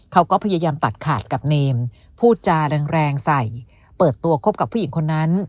เขาก็พยายามตัดขาดกับเนมพูดจาแรงใส่เปิดตัวคบกับผู้หญิงคนนั้น